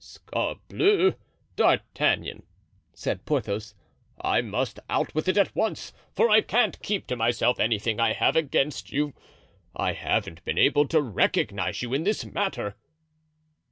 "Sacrebleu! D'Artagnan," said Porthos, "I must out with it at once, for I can't keep to myself anything I have against you; I haven't been able to recognize you in this matter."